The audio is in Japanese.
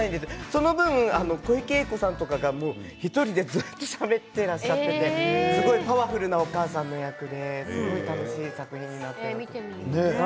その分、小池栄子さんとかが１人でずっとしゃべっていらっしゃってパワフルなお母さんの役ですごく楽しい作品になっていて。